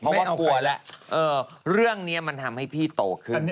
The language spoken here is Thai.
เพราะว่ากลัวแล้วเรื่องนี้มันทำให้พี่โตขึ้น